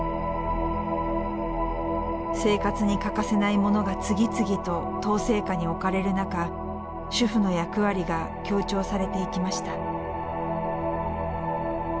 生活に欠かせない物が次々と統制下に置かれる中主婦の役割が強調されていきました。